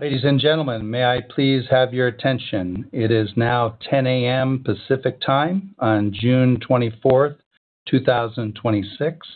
Ladies and gentlemen, may I please have your attention. It is now 10:00 A.M. Pacific Time on June 24th, 2026,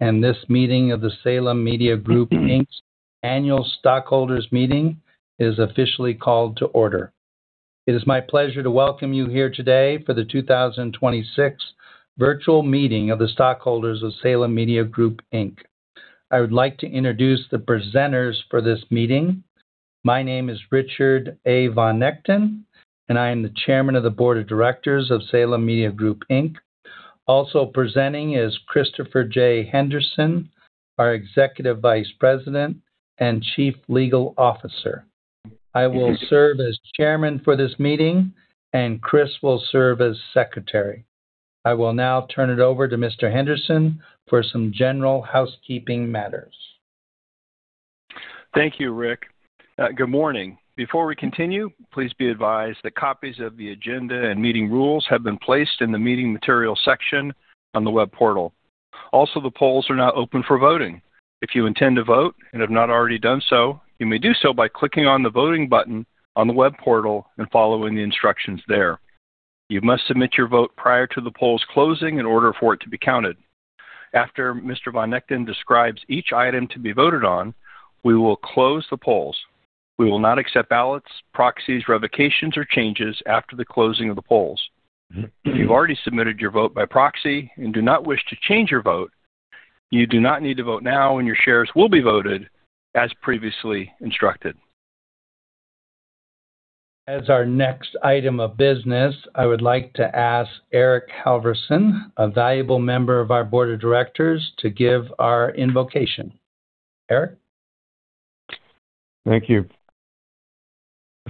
and this meeting of the Salem Media Group, Inc.'s annual stockholders meeting is officially called to order. It is my pleasure to welcome you here today for the 2026 virtual meeting of the stockholders of Salem Media Group, Inc. I would like to introduce the presenters for this meeting. My name is Richard A. von Gnechten, and I am the Chairman of the Board of Directors of Salem Media Group, Inc. Also presenting is Christopher J. Henderson, our Executive Vice President and Chief Legal Officer. I will serve as Chairman for this meeting, and Chris will serve as Secretary. I will now turn it over to Mr. Henderson for some general housekeeping matters. Thank you, Rick. Good morning. Before we continue, please be advised that copies of the agenda and meeting rules have been placed in the meeting materials section on the web portal. Also, the polls are now open for voting. If you intend to vote and have not already done so, you may do so by clicking on the voting button on the web portal and following the instructions there. You must submit your vote prior to the polls closing in order for it to be counted. After Mr. von Gnechten describes each item to be voted on, we will close the polls. We will not accept ballots, proxies, revocations, or changes after the closing of the polls. If you've already submitted your vote by proxy and do not wish to change your vote, you do not need to vote now, and your shares will be voted as previously instructed. As our next item of business, I would like to ask Eric Halvorson, a valuable member of our board of directors, to give our invocation. Eric? Thank you.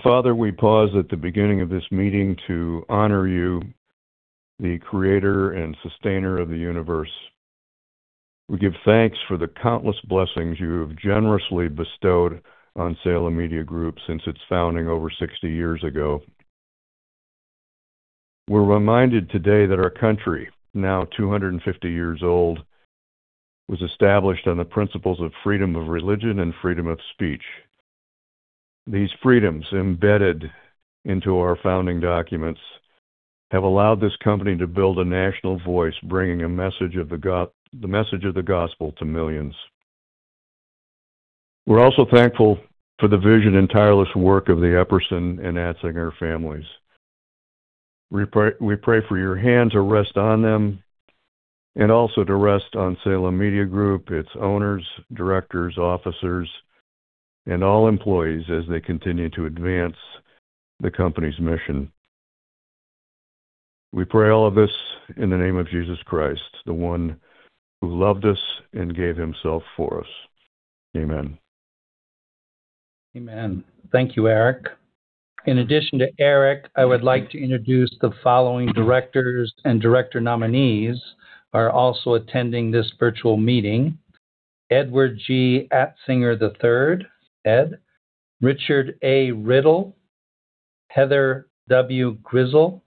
Father, we pause at the beginning of this meeting to honor you, the creator and sustainer of the universe. We give thanks for the countless blessings you have generously bestowed on Salem Media Group since its founding over 60 years ago. We're reminded today that our country, now 250 years old, was established on the principles of freedom of religion and freedom of speech. These freedoms embedded into our founding documents have allowed this company to build a national voice, bringing the message of the gospel to millions. We're also thankful for the vision and tireless work of the Epperson and Atsinger families. We pray for your hand to rest on them and also to rest on Salem Media Group, its owners, directors, officers, and all employees as they continue to advance the company's mission. We pray all of this in the name of Jesus Christ, the one who loved us and gave himself for us. Amen. Amen. Thank you, Eric. In addition to Eric, I would like to introduce the following directors and director nominees are also attending this virtual meeting. Edward G. Atsinger III, Ed, Richard A. Riddle, Heather W. Grizzle,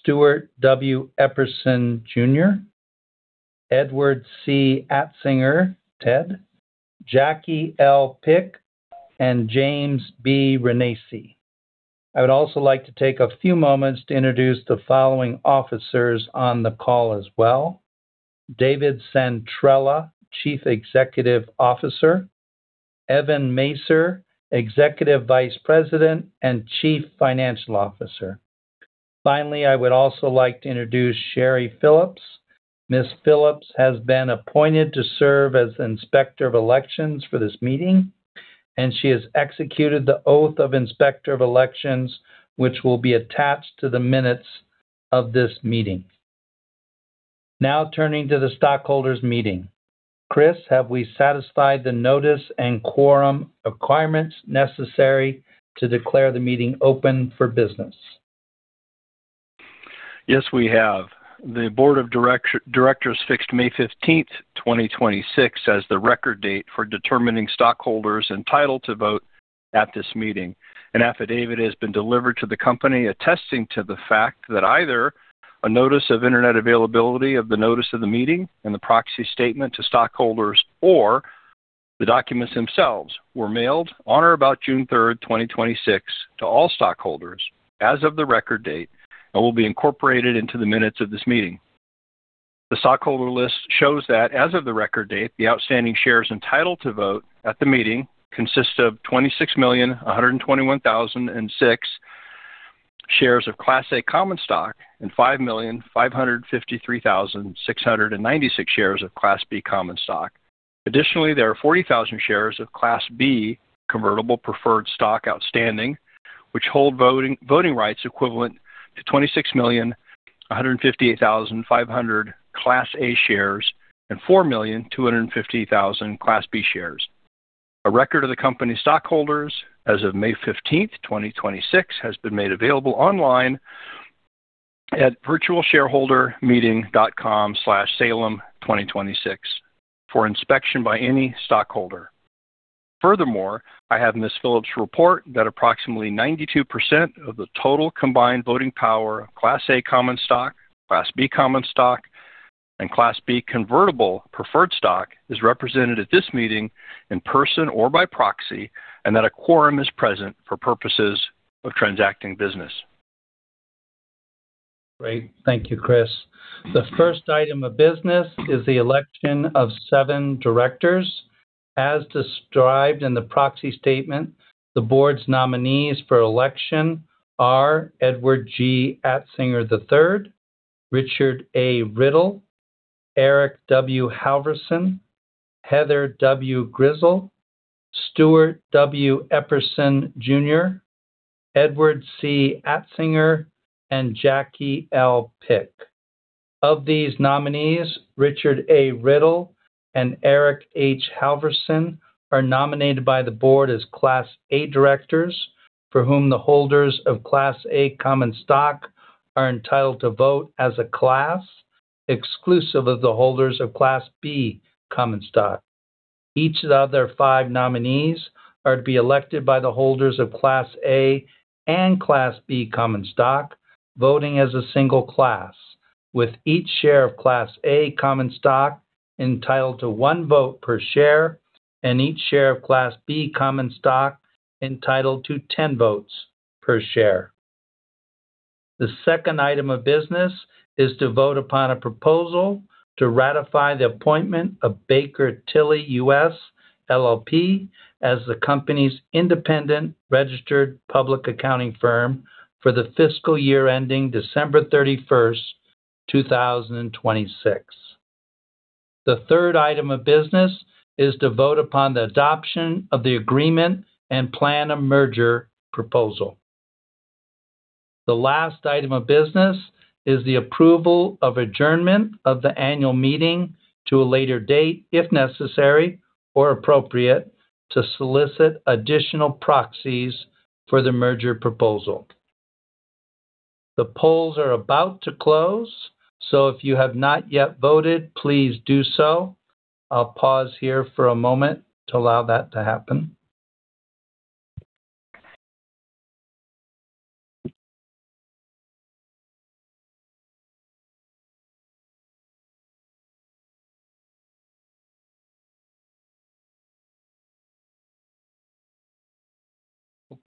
Stuart W. Epperson Jr., Edward C. Atsinger, Ted, Jacki L. Pick, and James B. Renacci. I would also like to take a few moments to introduce the following officers on the call as well. David Santrella, Chief Executive Officer. Evan Masyr, Executive Vice President and Chief Financial Officer. Finally, I would also like to introduce Sherry Phillips. Ms. Phillips has been appointed to serve as Inspector of Elections for this meeting, and she has executed the oath of Inspector of Elections, which will be attached to the minutes of this meeting. Turning to the stockholders meeting. Chris, have we satisfied the notice and quorum requirements necessary to declare the meeting open for business? Yes, we have. The board of directors fixed May 15th, 2026, as the record date for determining stockholders entitled to vote at this meeting. An affidavit has been delivered to the company attesting to the fact that either a notice of internet availability of the notice of the meeting and the proxy statement to stockholders or the documents themselves were mailed on or about June 3rd, 2026, to all stockholders as of the record date and will be incorporated into the minutes of this meeting. The stockholder list shows that as of the record date, the outstanding shares entitled to vote at the meeting consist of 26,121,006 shares of Class A common stock and 5,553,696 shares of Class B common stock. Additionally, there are 40,000 shares of Class B convertible preferred stock outstanding, which hold voting rights equivalent to 26,158,500 Class A shares and 4,250,000 Class B shares. A record of the company stockholders as of May 15th, 2026, has been made available online at virtualshareholdermeeting.com/salem2026 for inspection by any stockholder. I have Ms. Phillips report that approximately 92% of the total combined voting power of Class A common stock, Class B common stock, Series B convertible preferred stock is represented at this meeting in person or by proxy, and that a quorum is present for purposes of transacting business. Great. Thank you, Chris. The first item of business is the election of seven directors. As described in the proxy statement, the board's nominees for election are Edward G. Atsinger III, Richard A. Riddle, Eric H. Halvorson, Heather W. Grizzle, Stuart W. Epperson Jr., Edward C. Atsinger, and Jacki L. Pick. Of these nominees, Richard A. Riddle and Eric H. Halvorson are nominated by the board as Class A directors, for whom the holders of Class A common stock are entitled to vote as a class, exclusive of the holders of Class B common stock. Each of the other five nominees are to be elected by the holders of Class A and Class B common stock, voting as a single class, with each share of Class A common stock entitled to one vote per share and each share of Class B common stock entitled to 10 votes per share. The second item of business is to vote upon a proposal to ratify the appointment of Baker Tilly US, LLP, as the company's independent registered public accounting firm for the fiscal year ending December 31st, 2026. The third item of business is to vote upon the adoption of the agreement and plan of merger proposal. The last item of business is the approval of adjournment of the annual meeting to a later date, if necessary or appropriate, to solicit additional proxies for the merger proposal. If you have not yet voted, please do so. I'll pause here for a moment to allow that to happen.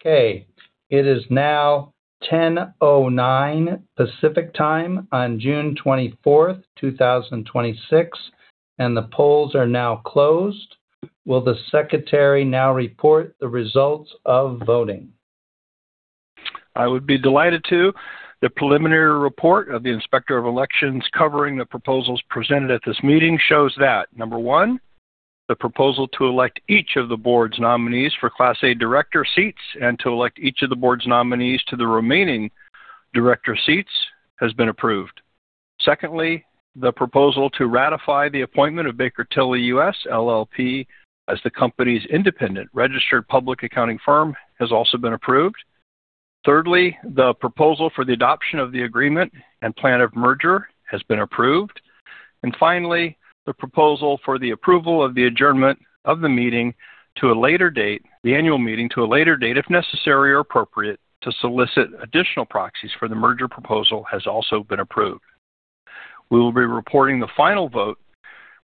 Okay, it is now 10:09 A.M Pacific Time on June 24th, 2026. The polls are now closed. Will the secretary now report the results of voting? I would be delighted to. The preliminary report of the Inspector of Elections covering the proposals presented at this meeting shows that, number one, the proposal to elect each of the board's nominees for Class A director seats and to elect each of the board's nominees to the remaining director seats has been approved. Secondly, the proposal to ratify the appointment of Baker Tilly US, LLP, as the company's independent registered public accounting firm has also been approved. Thirdly, the proposal for the adoption of the agreement and plan of merger has been approved. Finally, the proposal for the approval of the adjournment of the annual meeting to a later date, if necessary or appropriate, to solicit additional proxies for the merger proposal, has also been approved. We will be reporting the final vote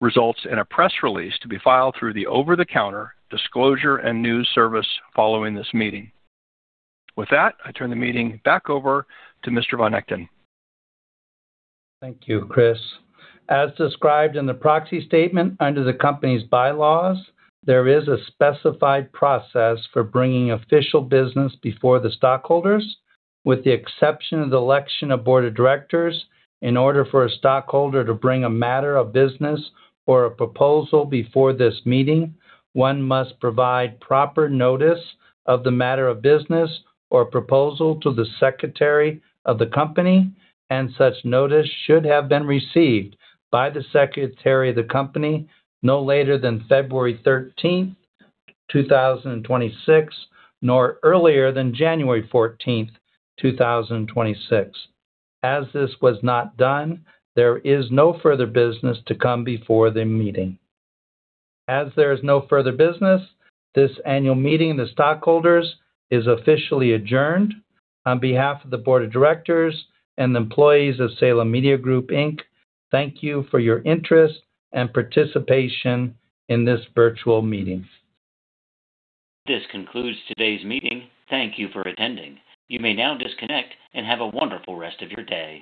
results in a press release to be filed through the over-the-counter disclosure and news service following this meeting. With that, I turn the meeting back over to Mr. von Gnechten. Thank you, Chris. As described in the proxy statement under the company's bylaws, there is a specified process for bringing official business before the stockholders. With the exception of the election of Board of Directors, in order for a stockholder to bring a matter of business or a proposal before this meeting, one must provide proper notice of the matter of business or proposal to the Secretary of the company, and such notice should have been received by the Secretary of the company no later than February 13th, 2026, nor earlier than January 14th, 2026. As this was not done, there is no further business to come before the meeting. As there is no further business, this annual meeting of the stockholders is officially adjourned. On behalf of the Board of Directors and employees of Salem Media Group, Inc., thank you for your interest and participation in this virtual meeting. This concludes today's meeting. Thank you for attending. You may now disconnect and have a wonderful rest of your day.